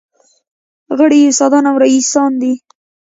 غړي یې استادان او رییسان دي.